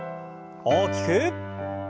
大きく。